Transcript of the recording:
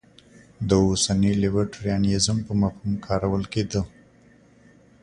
دا اوسني لیبرټریانیزم په مفهوم کارول کېده.